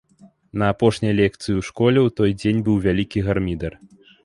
На апошняй лекцыі ў школе ў той дзень быў вялікі гармідар.